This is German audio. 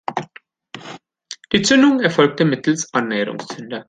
Die Zündung erfolgte mittels Annäherungszünder.